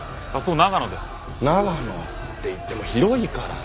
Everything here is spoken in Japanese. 長野っていっても広いからね。